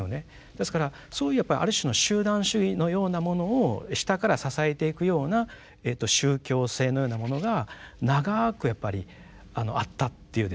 ですからそういうやっぱある種の集団主義のようなものを下から支えていくような宗教性のようなものが長くやっぱりあったっていうですね